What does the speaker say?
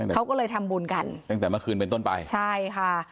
เขาก็เลยทำบุญกันตั้งแต่เมื่อคืนเป็นต้นไปใช่ค่ะ